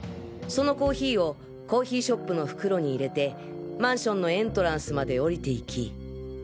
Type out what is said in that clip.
そのコーヒーをコーヒーショップの袋に入れてマンションのエントランスまで降りていき